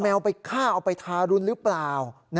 เอาไปฆ่าเอาไปทารุณหรือเปล่า